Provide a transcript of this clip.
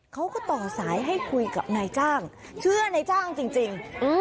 เขาก็ต่อสายให้คุยกับนายจ้างเชื่อนายจ้างจริง